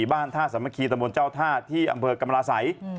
บ้านท่าสามัคคีตะมนต์เจ้าท่าที่อำเภอกรรมราศัย